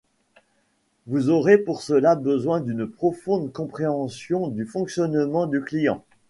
Vous aurez pour cela besoin d’une profonde compréhension du fonctionnement du client.